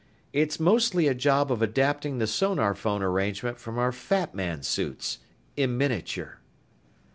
"It's mostly a job of adapting the sonarphone arrangement from our Fat Man suits in miniature."